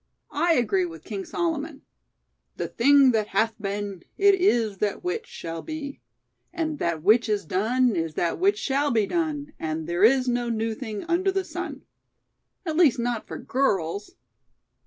I agree with King Solomon: 'The thing that hath been, it is that which, shall be; and that which is done is that which shall be done; and there is no new thing under the sun.' At least not for girls!"